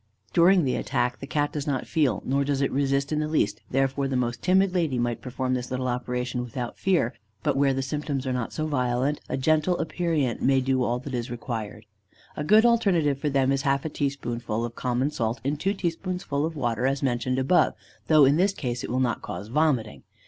During the attack, the Cat does not feel, nor does it resist in the least, therefore the most timid lady might perform this little operation without fear. But where the symptoms are not so violent, a gentle aperient may do all that is required. A good alterative for them is half a teaspoonful of common salt in two teaspoonfuls of water, as mentioned above, though in this case it will not cause vomiting.